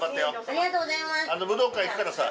ありがとうございます。